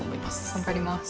頑張ります。